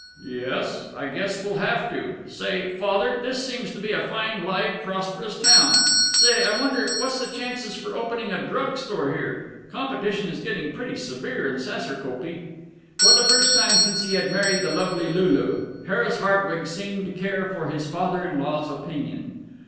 "Yes, I guess we'll have to.... Say, Father, this seems to be a fine, live, prosperous town. Say, I wonder what's the chances for opening a drug store here? Competition is getting pretty severe in Saserkopee." For the first time since he had married the lovely Lulu Harris Hartwig seemed to care for his father in law's opinion.